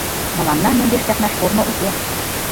Мыланна мӧҥгеш чакнаш корно уке!